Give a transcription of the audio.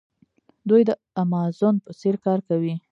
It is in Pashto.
دوی د امازون په څیر کار کوي.